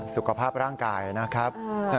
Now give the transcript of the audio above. สุขภาพร่างกายนะครับ